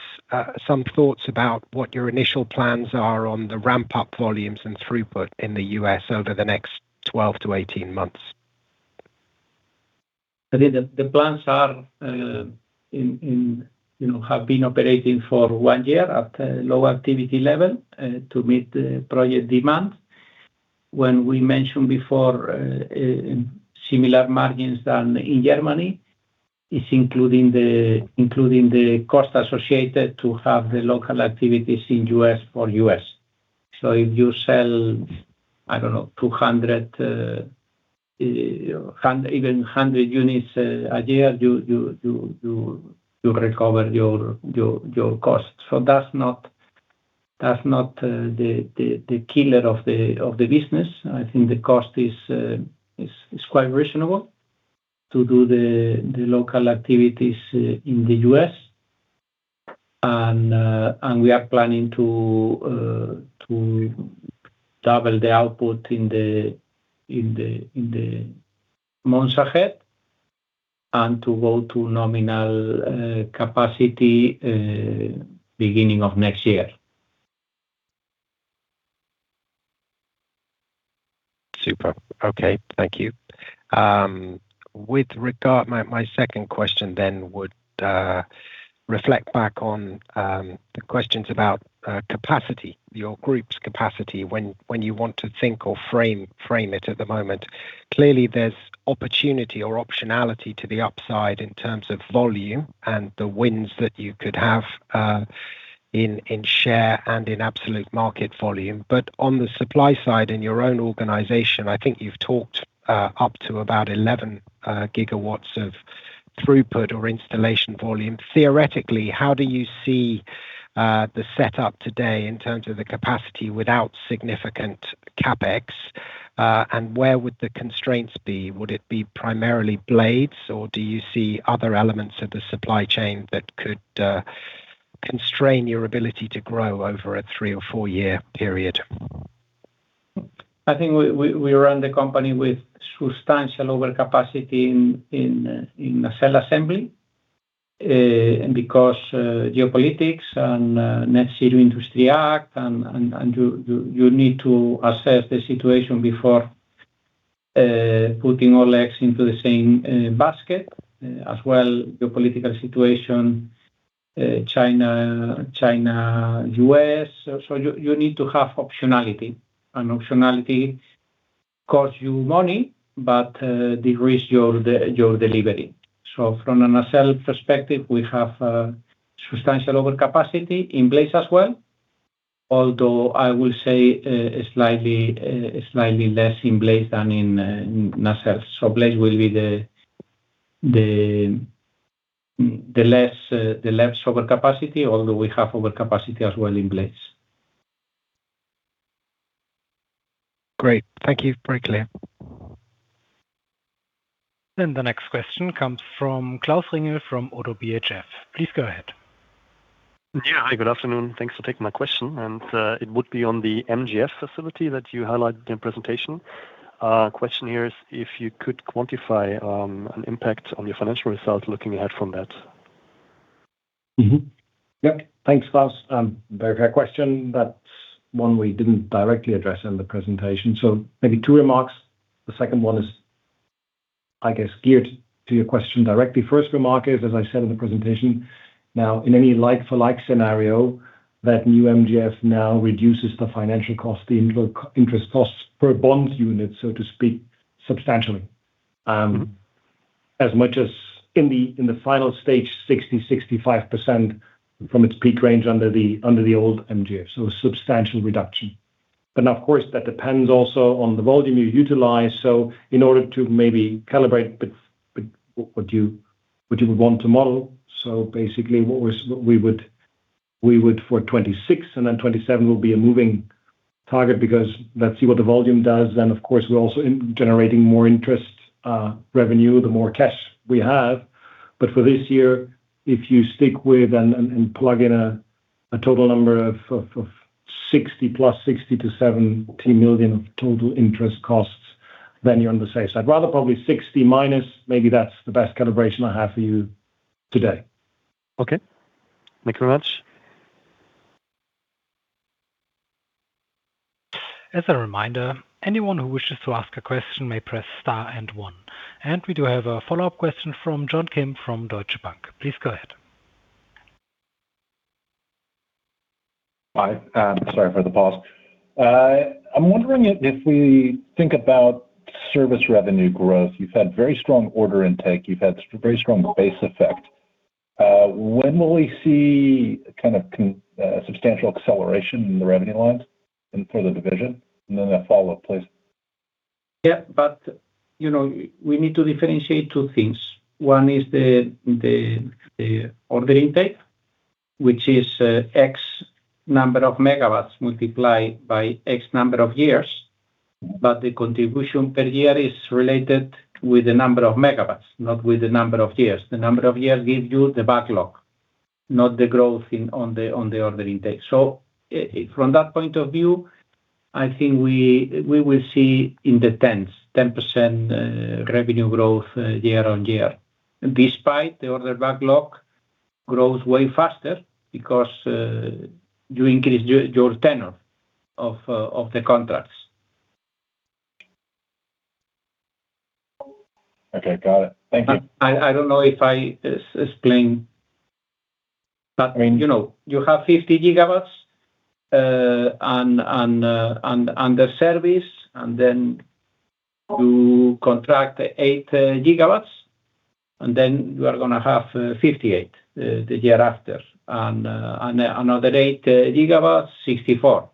[SPEAKER 14] some thoughts about what your initial plans are on the ramp-up volumes and throughput in the U.S. over the next 12-18 months.
[SPEAKER 3] The plants have been operating for one year at a low activity level to meet the project demand. When we mentioned before similar margins than in Germany, it's including the cost associated to have the local activities in U.S. for U.S. If you sell, I don't know, 200, even 100 units a year, you recover your costs. That's not the killer of the business. I think the cost is quite reasonable to do the local activities in the U.S. We are planning to double the output in the months ahead and to go to nominal capacity beginning of next year.
[SPEAKER 14] Super. Okay. Thank you. My second question would reflect back on the questions about capacity, your group's capacity, when you want to think or frame it at the moment. Clearly, there's opportunity or optionality to the upside in terms of volume and the wins that you could have in share and in absolute market volume. On the supply side, in your own organization, I think you've talked up to about 11 GW of throughput or installation volume. Theoretically, how do you see the setup today in terms of the capacity without significant CapEx? Where would the constraints be? Would it be primarily blades, or do you see other elements of the supply chain that could constrain your ability to grow over a three or four-year period?
[SPEAKER 3] I think we run the company with substantial overcapacity in nacelle assembly, because geopolitics and Net Zero Industry Act, you need to assess the situation before putting all eggs into the same basket. As well, geopolitical situation, China, U.S. You need to have optionality. Optionality costs you money, but de-risk your delivery. From a nacelle perspective, we have substantial overcapacity in blades as well. Although I will say slightly less in blades than in nacelles. Blades will be the less overcapacity, although we have overcapacity as well in blades.
[SPEAKER 14] Great. Thank you. Very clear.
[SPEAKER 1] The next question comes from Klaus Ringel from ODDO BHF. Please go ahead.
[SPEAKER 15] Yeah. Hi, good afternoon. Thanks for taking my question. It would be on the MGF facility that you highlighted in presentation. Question here is if you could quantify an impact on your financial results looking ahead from that?
[SPEAKER 4] Yep. Thanks, Klaus. Very fair question. That's one we didn't directly address in the presentation. Maybe two remarks. The second one is, I guess, geared to your question directly. First remark is, as I said in the presentation now in any like for like scenario, that new MGF now reduces the financial cost, the interest costs per bond unit, so to speak, substantially. As much as in the final stage, 60%, 65% from its peak range under the old MGF. A substantial reduction. Now, of course, that depends also on the volume you utilize. In order to maybe calibrate what you would want to model, basically what we would We would for 2026, and 2027 will be a moving target because let's see what the volume does. Of course, we're also generating more interest revenue, the more cash we have. For this year, if you stick with and plug in a total number of 60+, 60 million-70 million of total interest costs, then you're on the safe side. Rather, probably 60-. Maybe that's the best calibration I have for you today.
[SPEAKER 15] Okay. Thank you very much.
[SPEAKER 1] As a reminder, anyone who wishes to ask a question may press star one. We do have a follow-up question from John Kim from Deutsche Bank. Please go ahead.
[SPEAKER 7] Hi. Sorry for the pause. I am wondering if we think about service revenue growth, you have had very strong order intake, you have had very strong base effect. When will we see substantial acceleration in the revenue lines and for the division? Then a follow-up, please.
[SPEAKER 3] We need to differentiate two things. One is the order intake, which is X number of megawatts multiplied by X number of years. The contribution per year is related with the number of megawatts, not with the number of years. The number of years gives you the backlog, not the growth on the order intake. From that point of view, I think we will see in the 10s, 10% revenue growth year-over-year, despite the order backlog growth way faster because you increase your tenor of the contracts.
[SPEAKER 7] Okay, got it. Thank you.
[SPEAKER 3] I don't know if I explained, but you have 50 GW under service, and then you contract 8 GW, and then you are going to have 58 the year after, and another 8 GW, 64.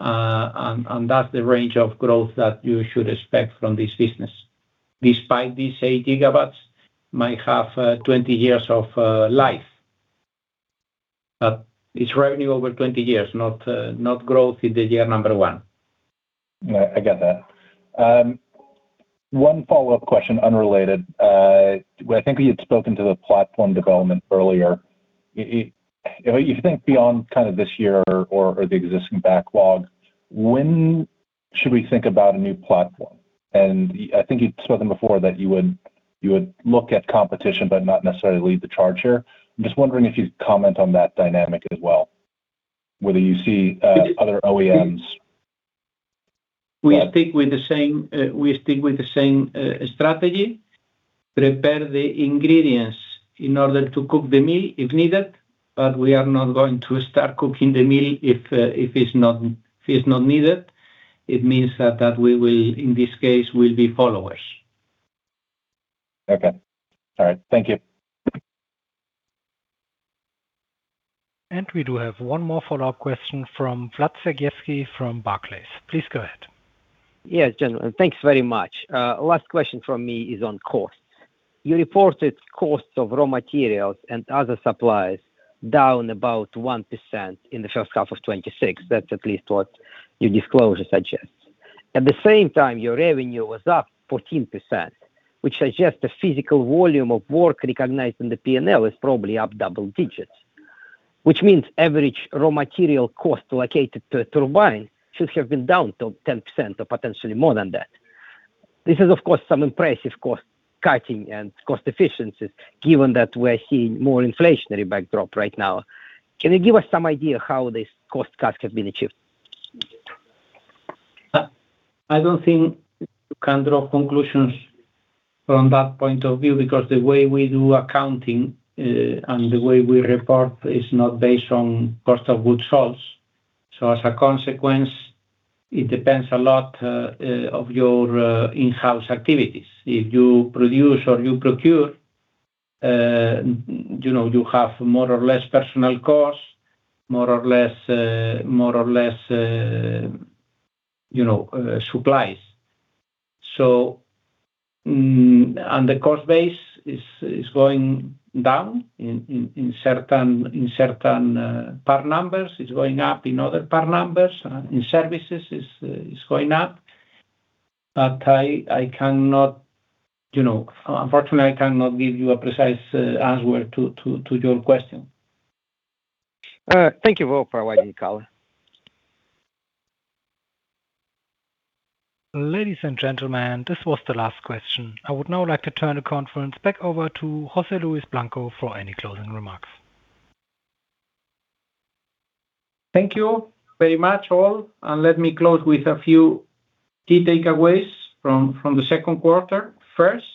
[SPEAKER 3] That's the range of growth that you should expect from this business. Despite these 8 GW, might have 20 years of life. It's revenue over 20 years, not growth in the year number one.
[SPEAKER 7] No, I get that. One follow-up question, unrelated. I think you had spoken to the platform development earlier. If you think beyond this year or the existing backlog, when should we think about a new platform? I think you've spoken before that you would look at competition but not necessarily lead the charge here. I'm just wondering if you'd comment on that dynamic as well, whether you see other OEMs.
[SPEAKER 3] We stick with the same strategy, prepare the ingredients in order to cook the meal if needed, but we are not going to start cooking the meal if it's not needed. It means that we will, in this case, we'll be followers.
[SPEAKER 7] Okay. All right. Thank you.
[SPEAKER 1] We do have one more follow-up question from Vlad Sergievskiy from Barclays. Please go ahead.
[SPEAKER 11] Yes, gentlemen. Thanks very much. Last question from me is on cost. You reported costs of raw materials and other supplies down about 1% in the H1 of 2026. That's at least what your disclosure suggests. At the same time, your revenue was up 14%, which suggests the physical volume of work recognized in the P&L is probably up double digits. Which means average raw material cost allocated to a turbine should have been down to 10% or potentially more than that. This is of course, some impressive cost cutting and cost efficiencies, given that we're seeing more inflationary backdrop right now. Can you give us some idea how this cost cut has been achieved?
[SPEAKER 3] I don't think you can draw conclusions from that point of view because the way we do accounting and the way we report is not based on cost of goods sold. As a consequence, it depends a lot of your in-house activities. If you produce or you procure, you have more or less personal costs, more or less supplies. The cost base is going down in certain part numbers, it's going up in other part numbers in services it's going up. Unfortunately, I cannot give you a precise answer to your question.
[SPEAKER 11] Thank you for providing color.
[SPEAKER 1] Ladies and gentlemen, this was the last question. I would now like to turn the conference back over to José Luis Blanco for any closing remarks.
[SPEAKER 3] Thank you very much, all, and let me close with a few key takeaways from the second quarter. First,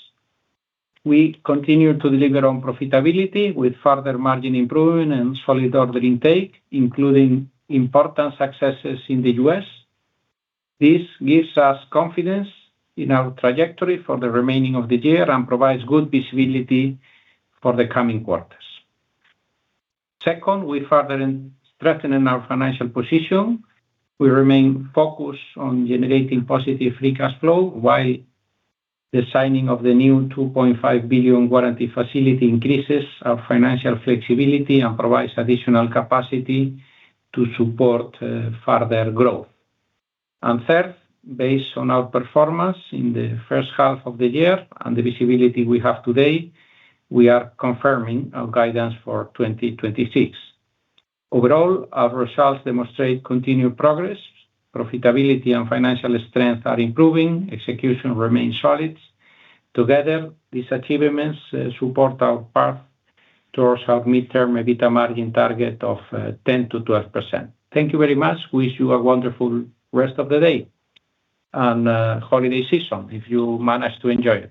[SPEAKER 3] we continue to deliver on profitability with further margin improvement and solid order intake, including important successes in the U.S. This gives us confidence in our trajectory for the remaining of the year and provides good visibility for the coming quarters. Second, we further strengthen our financial position. We remain focused on generating positive free cash flow while the signing of the new 2.5 billion warranty facility increases our financial flexibility and provides additional capacity to support further growth. Third, based on our performance in the H1 of the year and the visibility we have today, we are confirming our guidance for 2026. Overall, our results demonstrate continued progress. Profitability and financial strength are improving. Execution remains solid. Together, these achievements support our path towards our midterm EBITDA margin target of 10%-12%. Thank you very much. Wish you a wonderful rest of the day and holiday season if you manage to enjoy it.